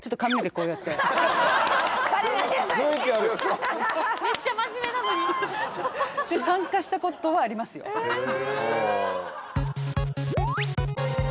こうやって髪だけ雰囲気あるめっちゃ真面目なのに参加したことはありますよへえ